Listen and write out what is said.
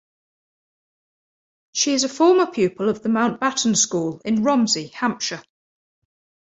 She is a former pupil of the Mountbatten School in Romsey, Hampshire.